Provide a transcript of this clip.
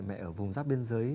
mẹ ở vùng giáp biên giới